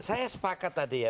saya sepakat tadi ya